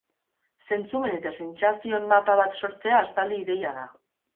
Zentzumen eta sentsazioen mapa bat sortzea aspaldi ideia da.